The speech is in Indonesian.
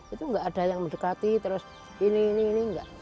itu gak ada yang mendekati terus ini ini ini